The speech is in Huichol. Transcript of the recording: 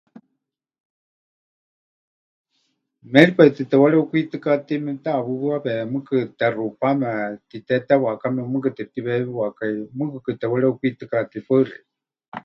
Méripai tɨ tepɨwareukwitɨkatei memɨteʼawɨwawe, mɨɨkɨ texupame titétewakame, mɨɨkɨ tepɨtiweewiwakai, mɨɨkɨkɨ tepɨwareukwitɨkatei. Paɨ xeikɨ́a.